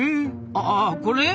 ああこれ？